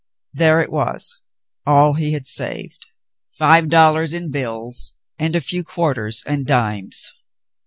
There it was, all he had saved, five dollars in bills, and a few quarters and dimes.